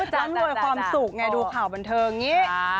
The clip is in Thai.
รำนวยความสุขไงดูข่าวบันเทิงอย่างนี้